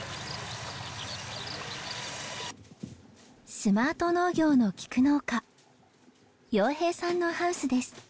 スマート農業のキク農家洋平さんのハウスです。